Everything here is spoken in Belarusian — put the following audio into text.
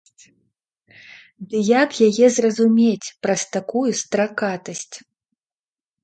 Ды як яе зразумець праз такую стракатасць?